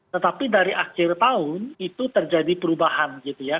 tetapi dari akhir tahun itu terjadi perubahan gitu ya